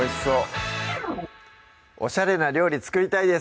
おしゃれな料理作りたいです